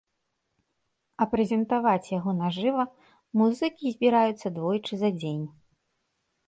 А прэзентаваць яго на жыва музыкі збіраюцца двойчы за дзень.